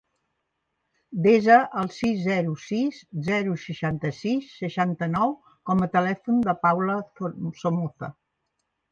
Desa el sis, zero, sis, zero, seixanta-sis, seixanta-nou com a telèfon de la Paula Somoza.